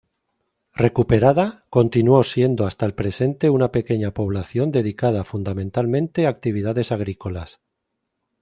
Recuperada, continuó siendo hasta el presente una pequeña población dedicada fundamentalmente a actividades agrícolas.